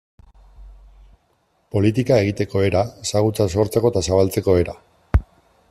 Politika egiteko era, ezagutza sortzeko eta zabaltzeko era...